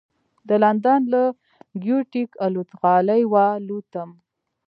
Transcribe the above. د لندن له ګېټوېک الوتغالي والوتم.